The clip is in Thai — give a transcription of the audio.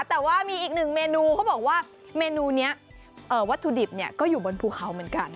แต่ว่ามีอีกหนึ่งเมนูเขาบอกว่าเมนูนี้วัตถุดิบก็อยู่บนภูเขาเหมือนกัน